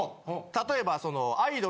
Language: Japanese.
例えば。